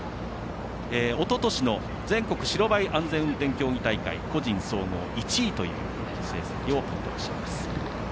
おととしの全国白バイ安全運転競技大会個人総合１位という成績を持ってらっしゃいます。